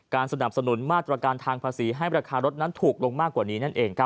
การสนับสนุนมาตรการทางภาษีให้ราคารถูกลงมากกว่านี้